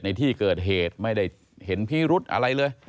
ในที่เกิดเหตุไม่ได้เห็นพิรุธอะไรเลย